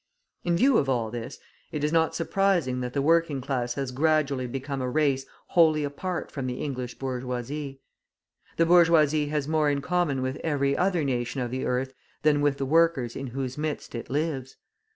In view of all this, it is not surprising that the working class has gradually become a race wholly apart from the English bourgeoisie. The bourgeoisie has more in common with every other nation of the earth than with the workers in whose midst it lives.